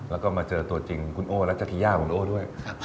แล้วก็มาเจอตัวจริงคุณโอ้รัชธิยาคุณโอ้ด้วย